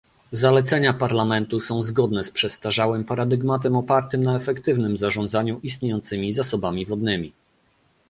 Zalecenia Parlamentu są zgodne z przestarzałym paradygmatem opartym na efektywnym zarządzaniu istniejącymi zasobami wodnymi